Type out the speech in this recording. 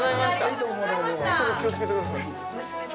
そこ気をつけてください。